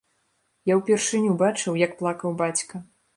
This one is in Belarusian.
Я ўпершыню бачыў, як плакаў бацька.